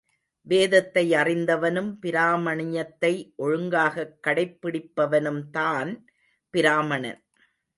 வேதத்தை அறிந்தவனும் பிராமணியத்தை ஒழுங்காகக் கடைபிடிப்பவனும்தான் பிராமணன்.